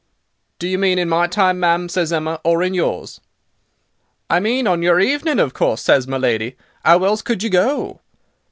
"'Do you mean in my time, ma'am,' says Emma, 'or in yours.' "'I mean on your evening of course,' says my lady. ''Ow else could you go?